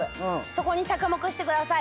そこに着目してください。